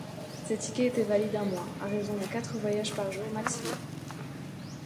Ces tickets étaient valides un mois à raison de quatre voyages par jour maximum.